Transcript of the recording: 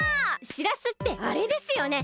しらすってあれですよね！